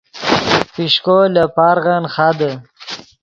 پیشکو لے پارغن خادے